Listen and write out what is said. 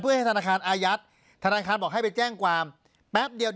เพื่อให้ธนาคารอายัดธนาคารบอกให้ไปแจ้งความแป๊บเดียว